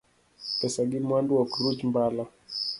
Pesa gi mwandu ok ruch mbala.